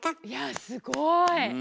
いやすごい！